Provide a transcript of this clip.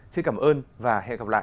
xin cảm ơn và hẹn gặp lại